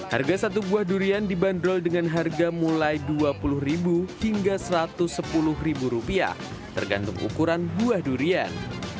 harga satu buah durian dibanderol dengan harga mulai rp dua puluh hingga rp satu ratus sepuluh rupiah tergantung ukuran buah durian